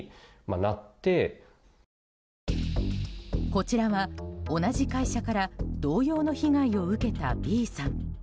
こちらは、同じ会社から同様の被害を受けたＢさん。